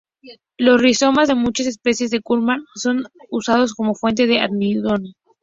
Los rizomas de muchas especies de "Curcuma" son usados como fuente de almidón.